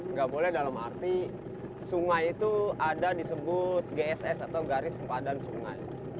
nggak boleh dalam arti sungai itu ada disebut gss atau garis sempadan sungai